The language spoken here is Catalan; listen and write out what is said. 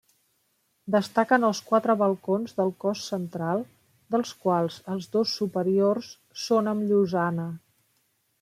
Destaquen els quatre balcons del cos central, dels quals els dos superiors són amb llosana.